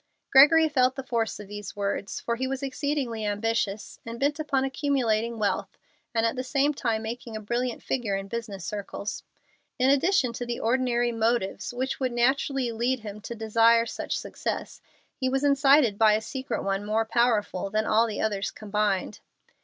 Gregory felt the force of these words, for he was exceedingly ambitious, and bent upon accumulating wealth and at the same time making a brilliant figure in business circles. In addition to the ordinary motives which would naturally lead him to desire such success he was incited by a secret one more powerful than all the others combined.